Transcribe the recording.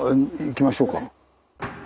行きましょうか。